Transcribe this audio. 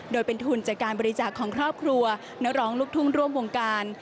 โดยเป็นทุนจากการบริจาคของครอบครัวนักร้องลูกทุ่งร่วมวงการ